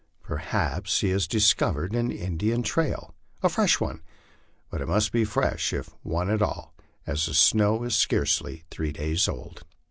Perhaps lie has discovered an In dian trail a fresh one ; but it must be fresh if one at all, as the snow is scarcely three days old.